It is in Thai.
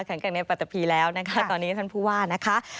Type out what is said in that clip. แกร่งในปัตตะพีแล้วนะคะตอนนี้ท่านผู้ว่านะคะ